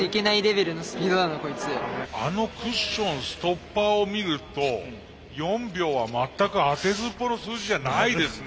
あのクッションストッパーを見ると４秒は全くあてずっぽうの数字じゃないですね。